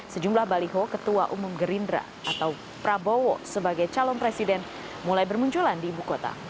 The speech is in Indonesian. sejumlah baliho ketua umum gerindra atau prabowo sebagai calon presiden mulai bermunculan di ibu kota